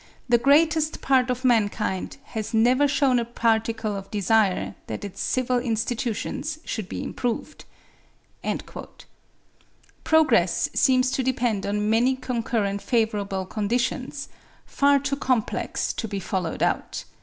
"the greatest part of mankind has never shewn a particle of desire that its civil institutions should be improved." Progress seems to depend on many concurrent favourable conditions, far too complex to be followed out.